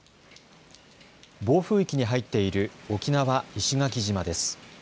暴風域に入っている沖縄石垣島です。